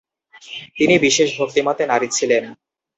তিনি বিশেষ ভক্তিমতী নারী ছিলেন।